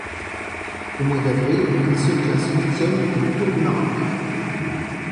Au mois d'avril, il se classe huitième du Tour du Maroc.